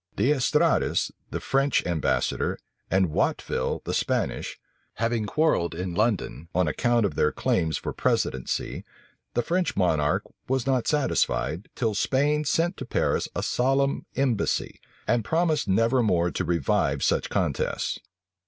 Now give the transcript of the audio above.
D'Estrades, the French ambassador, and Watteville, the Spanish, having quarrelled in London, on Account of their claims for precedency, the French monarch was not satisfied, till Spain sent to Paris a solemn embassy, and promised never more to revive such contests.